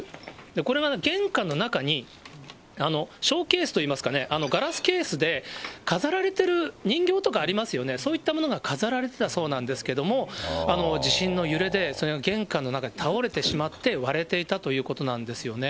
これは玄関の中に、ショーケースといいますか、ガラスケースで飾られてる人形とかありますよね、そういったものが飾られてたそうなんですけども、地震の揺れで、それが玄関の中に倒れてしまって割れていたということなんですよね。